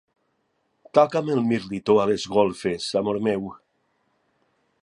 Toca'm el mirlitó a les golfes, amor meu.